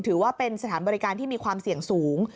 ถือว่าเป็นสถานบริการที่มีความเสี่ยงสูง